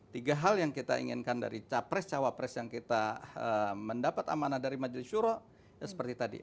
tiga hal yang kita inginkan dari capres cawapres yang kita mendapat amanah dari majelis syuro seperti tadi